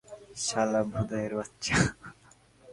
শালা ভোদাইয়ের বাচ্চা!